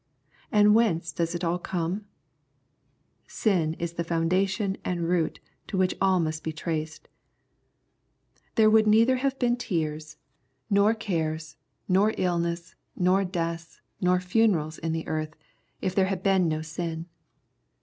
And whence does it all come ? Sin is the fountain and root to which all must be traced. There would neither have been tears, nor 99 99 LUKE, CHAP. VII. 209 cares, nor illness, nor deaths, nor funerals in the earth, if there had been no sin.